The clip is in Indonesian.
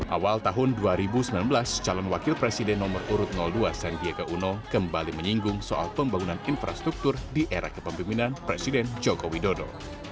awal tahun dua ribu sembilan belas calon wakil presiden nomor urut dua sandiaga uno kembali menyinggung soal pembangunan infrastruktur di era kepemimpinan presiden joko widodo